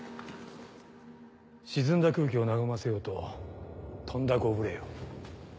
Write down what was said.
沈んだ空気を和ませようととんだご無礼を。